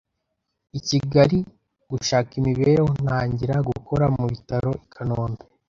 I Kigali gushaka imibereho ntangira gukora mu bitaro I kanombe